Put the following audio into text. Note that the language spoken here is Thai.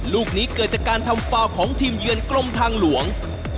ลูกนี้เกิดจากการทำฟาวของทีมเยือนกรมทางหลวง